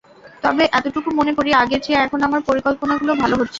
তবে এতটুকু মনে করি, আগের চেয়ে এখন আমার পরিকল্পনাগুলো ভালো হচ্ছে।